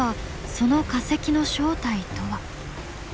その化石の正体とは。